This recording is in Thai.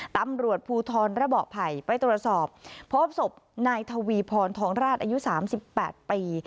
ตำรวจภูทรระเบาะไผ่ไปตรวจสอบพบศพนายทวีพรทองราชอายุ๓๘ปี